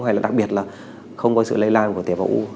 hay là đặc biệt là không có sự lây lan của tế bào u